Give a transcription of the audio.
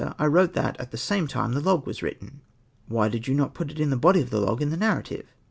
— "I wrote that at the same time the log ivas writte)i !"" Why did you not put it in the body of the log in the narrative